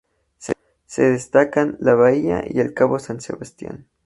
Se destacan la bahía y el cabo San Sebastián.